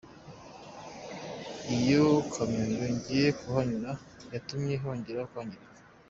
Iyo kamyo yongeye kuhanyura yatumye cyongera kwangirika.